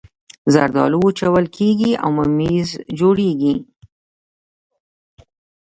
زردالو وچول کیږي او ممیز جوړوي